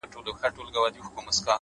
گلي!